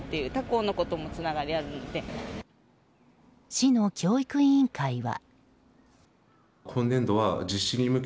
市の教育委員会は。